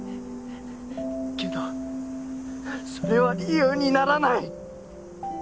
けどそれは理由にならない。